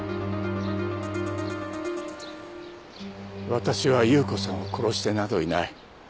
わたしは夕子さんを殺してなどいない。